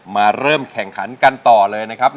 มาเริ่มแข่งขันกันต่อเลยนะครับ